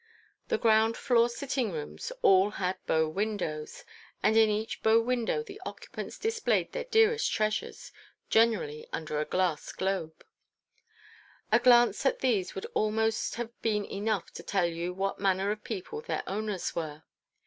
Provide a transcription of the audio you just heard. The ground floor sitting rooms all had bow windows, and in each bow window the occupants displayed their dearest treasures, generally under a glass globe. A glance at these would almost have been enough to tell you what manner of people their owners were.